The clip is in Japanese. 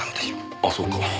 ああそうか。